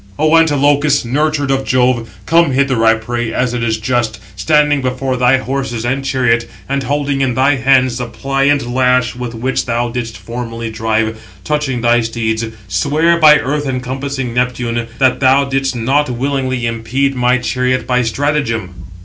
"O Antilochus, nurtured of Jove, come hither, I pray, as it is just, standing before thy horses and chariot, and holding in thy hands the pliant lash with which thou didst formerly drive, touching thy steeds, swear by earth encompassing Neptune, that thou didst not willingly impede my chariot by stratagem."